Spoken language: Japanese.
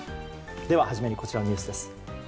では、初めにこちらのニュースです。